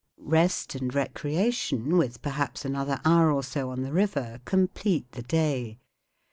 Rest and recreation, with perhaps another hour or so on the river, complete the day.